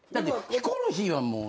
ヒコロヒーはどう？